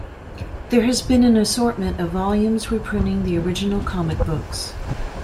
There has been an assortment of volumes reprinting the original comic books.